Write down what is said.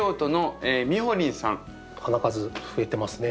花数増えてますね。